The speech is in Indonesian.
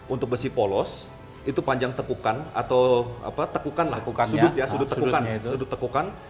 untuk besi polos itu panjang tekukan atau sudut tekukan